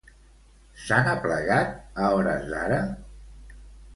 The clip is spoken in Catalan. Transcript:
S'han aplegat, a hores d'ara?